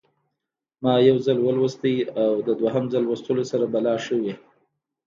ما یو ځل ولوستی او د دویم ځل لوستلو سره به لا ښه وي.